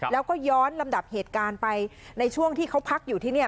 แล้วก็ย้อนลำดับเหตุการณ์ไปในช่วงที่เขาพักอยู่ที่นี่